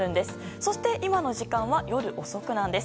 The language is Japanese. そして、今の時間は夜遅くです。